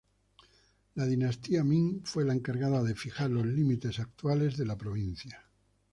La dinastía Ming fue la encargada de fijar los límites actuales de la provincia.